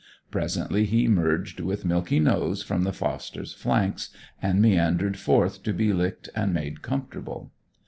Presently he emerged with milky nose from the foster's flanks, and meandered forth to be licked and made comfortable.